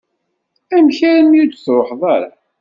Amek armi ur d-truḥeḍ ara?